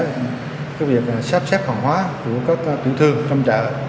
xác nhở việc sắp xếp hoàn hóa của các tiểu thương trong chợ